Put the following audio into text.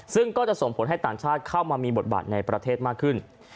ซึ่งก็จะส่งผลให้ต่างชาติเข้ามามีบทบาทในประเทศมากขึ้น